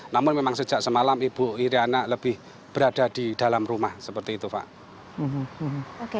namun memang sejak semalam ibu iryana lebih berada di dalam rumah seperti itu pak